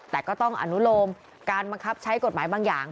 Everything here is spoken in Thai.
แต่ก็ต้องอนุโลมการบังคับใช้กฎหมายบางอย่าง